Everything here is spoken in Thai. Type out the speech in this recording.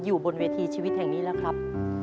อยู่บนเวทีชีวิตแห่งนี้แล้วครับ